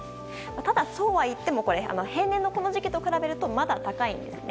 ただ、そうはいっても平年のこの時期と比べるとまだ高いです。